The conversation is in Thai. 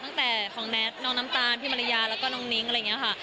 ตั้งแต่ของแท็ตน้องน้ำตาลพี่มาริยาแล้วก็น้องนิ้งอะไรอย่างนี้ค่ะ